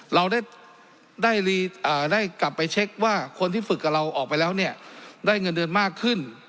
เราได้กลับไปเช็คว่าคนที่ฝึกกับเราออกไปแล้วเนี่ยได้เงินเดือนมากขึ้น